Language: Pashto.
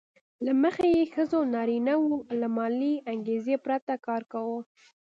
له مخې یې ښځو او نارینه وو له مالي انګېزې پرته کار کاوه